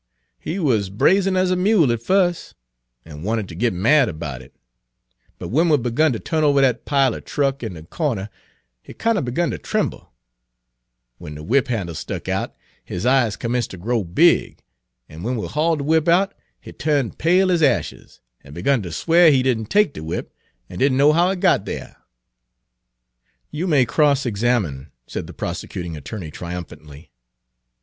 "He wuz brazen as a mule at fust, an' wanted ter git mad about it. But when we begun ter turn over that pile er truck in the cawner, he kinder begun ter trimble; when the whip handle stuck out, his eyes commenced ter grow big, an' when we hauled the whip out he turned pale ez ashes, an' begun to swear he did n' take the whip an' did n' know how it got thar." "You may cross examine," said the prosecuting attorney triumphantly.